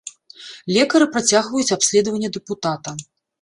Лекары працягваюць абследаванне дэпутата.